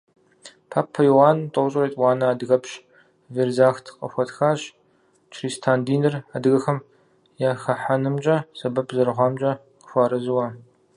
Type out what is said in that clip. Папэ Иоанн тӏощӏрэ етӏуанэр адыгэпщ Верзахт къыхуэтхащ, чристан диныр адыгэхэм яхыхьэнымкӏэ сэбэп зэрыхъуамкӏэ къыхуэарэзыуэ.